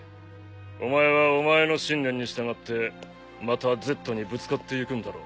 お前はお前の信念に従ってまたＺにぶつかっていくんだろ。